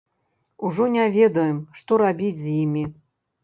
Ужо не ведаем, што рабіць з імі.